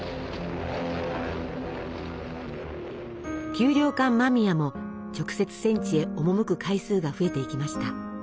給糧艦間宮も直接戦地へ赴く回数が増えていきました。